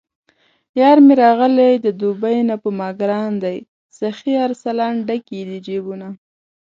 یارمې راغلی د دوبۍ نه په ماګران دی سخي ارسلان، ډک یې د جېبونه